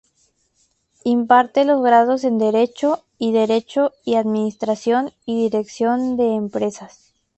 Imparte los grados en Derecho, y Derecho y Administración y Dirección de Empresas.